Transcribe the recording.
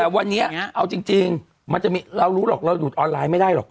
แต่วันนี้เอาจริงมันจะมีเรารู้หรอกเราดูดออนไลน์ไม่ได้หรอก